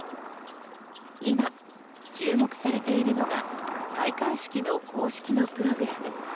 今、注目されているのが戴冠式の公式のプログラム。